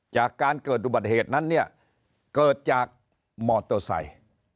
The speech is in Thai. จากการเกิดอุบัติเหตุนั้นเนี่ยเกิดจากมอเตอร์ไซค์